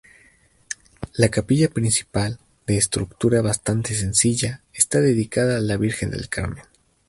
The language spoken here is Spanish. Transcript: La capilla principal, de estructura bastante sencilla, está dedicada a la Virgen del Carmen.